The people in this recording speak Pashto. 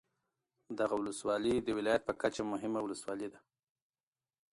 دغه ولسوالي د ولایت په کچه مهمه ولسوالي ده